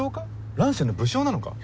乱世の武将なのか？